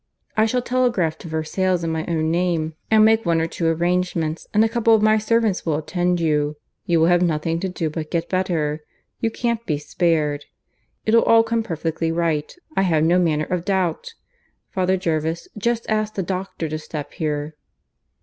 I shall telegraph to Versailles in my own name, and make one or two arrangements, and a couple of my servants will attend you. You will have nothing to do but get better. You can't be spared. It'll all come perfectly right, I have no manner of doubt. Father Jervis, just ask the doctor to step here."